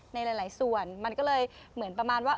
ในหลายส่วนมันก็เลยเหมือนประมาณว่า